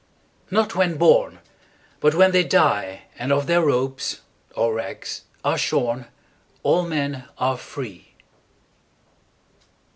Not when born, but when they dieAnd of their robes—or rags—are shorn, All men are free!